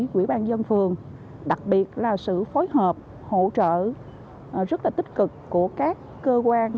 quỹ ban dân phường đặc biệt là sự phối hợp hỗ trợ rất là tích cực của các cơ quan